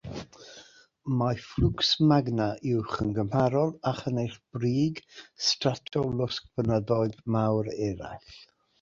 Mae'r fflwcs magna uwch yn gymharol â chynnyrch brig stratolosgfynyddoedd mawr eraill.